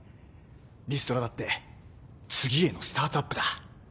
リストラだって次へのスタートアップだ。